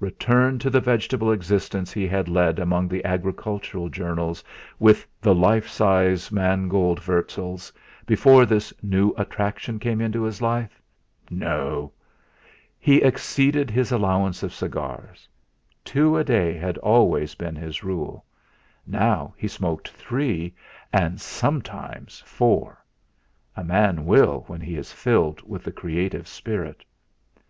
Return to the vegetable existence he had led among the agricultural journals with the life size mangold wurzels, before this new attraction came into his life no! He exceeded his allowance of cigars. Two a day had always been his rule. Now he smoked three and sometimes four a man will when he is filled with the creative spirit.